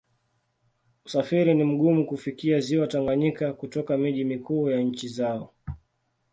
Usafiri ni mgumu kufikia Ziwa Tanganyika kutoka miji mikuu ya nchi zao.